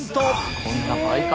こんな倍か！